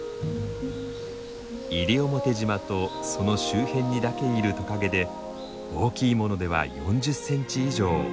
西表島とその周辺にだけいるトカゲで大きいものでは４０センチ以上。